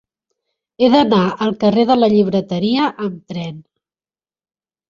He d'anar al carrer de la Llibreteria amb tren.